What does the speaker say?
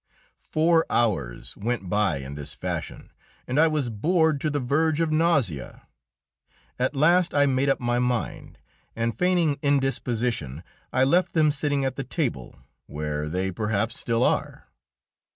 Four hours went by in this fashion, and I was bored to the verge of nausea. At last I made up my mind, and feigning indisposition I left them sitting at the table where they perhaps still are.